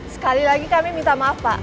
sekali lagi kami minta maaf pak